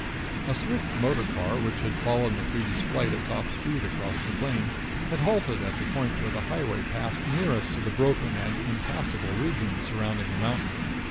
A swift motor car, which had followed MacCreedy's flight at top speed across the plain, had halted at the point where the highway passed nearest to the broken and impassable region surrounding the mountain.